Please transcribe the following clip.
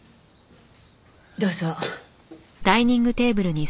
どうぞ。